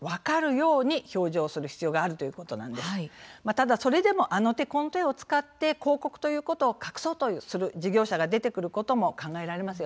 ただそれでもあの手この手を使って広告ということを隠そうとする事業者が出てくることも考えられますよね。